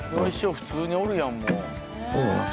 普通におるやんもう。